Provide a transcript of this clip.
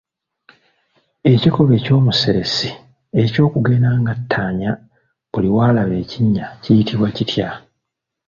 Ekikolwa eky’omuseresi eky’okugenda nga attaanya buli w'alaba ekinnya kiyitibwa kitya?